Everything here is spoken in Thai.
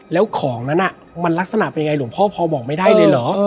แล้วของนั้นมันลักษณะเป็นยังไงหลวงพ่อพอบอกไม่ได้เลยเหรอ